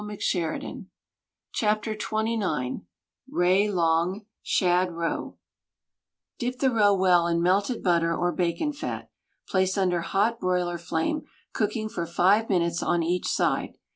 THE STAG COOK BOOK XXDC Ray Long SHAD ROE Dip the roe well in melted butter or bacon fat, place under hot broiler flame, cooking for five minutes on each side.